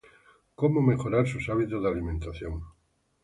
Cómo mejorar sus hábitos de alimentación